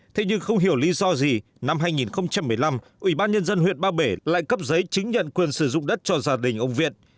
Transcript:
thế nhưng không hiểu lý do gì năm hai nghìn một mươi năm ủy ban nhân dân huyện ba bể lại cấp giấy chứng nhận quyền sử dụng đất cho gia đình ông việt